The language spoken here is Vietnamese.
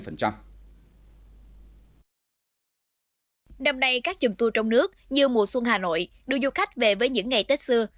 năm nay các chùm tour trong nước như mùa xuân hà nội đưa du khách về với những ngày tết xưa